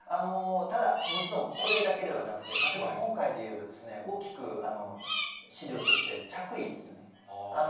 ただ、もちろん、これだけではなくて、例えば今回でいえば、大きく資料として、着衣ですね。